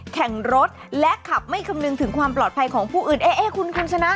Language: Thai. แข่งรถและขับไม่คำนึงถึงความปลอดภัยของผู้อื่น